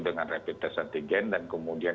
dengan rapid test antigen dan kemudian